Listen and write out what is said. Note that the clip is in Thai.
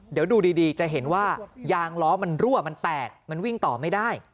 เดี๋ยวดูดีจะเห็นว่ายางล้อมันรั่วมันแตกมันวิ่งต่อไม่ได้